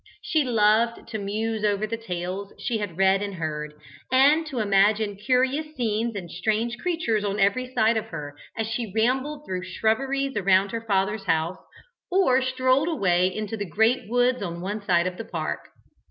She loved to muse over the tales she had read and heard, and to imagine curious scenes and strange creatures on every side of her, as she rambled through the shrubberies around her father's house, or strolled away into the great woods on one side of the park.